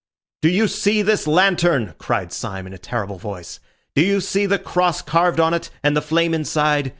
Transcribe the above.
"Do you see this lantern?" cried Syme in a terrible voice. "Do you see the cross carved on it, and the flame inside?